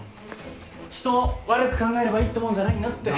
人を悪く考えればいいってもんじゃないんだって。